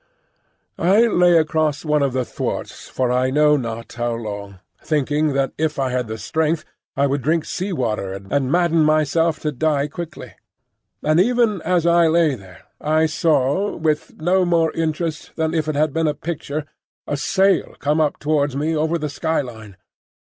I lay across one of the thwarts for I know not how long, thinking that if I had the strength I would drink sea water and madden myself to die quickly. And even as I lay there I saw, with no more interest than if it had been a picture, a sail come up towards me over the sky line.